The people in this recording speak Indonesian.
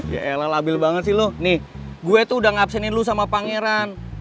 ya ella labil banget sih lo nih gue tuh udah ngabsenin lu sama pangeran